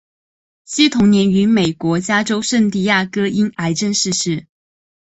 惜同年于美国加州圣地牙哥因癌症逝世。